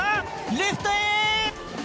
レフトへ！